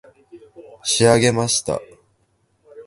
仕上げました